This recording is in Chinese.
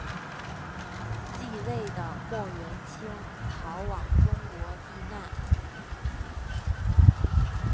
继位的莫元清逃往中国避难。